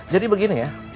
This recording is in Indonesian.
jadi begini ya